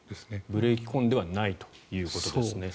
ブレーキ痕ではないということですね。